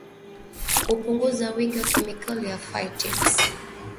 Kupunguza wingi wa kemikali ya phytates